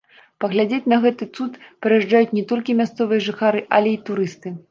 Паглядзець на гэты цуд прыязджаюць не толькі мясцовыя жыхары, але і турысты.